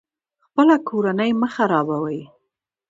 خپله کورنۍ مه خرابوئ